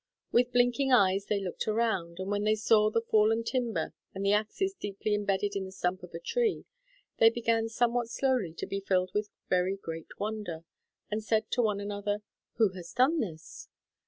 With blinking eyes they looked around, and when they saw the fallen timber and the axes deeply embedded in the stump of a tree, they began somewhat slowly to be filled with very great wonder, and said to one another, "Who has done this?"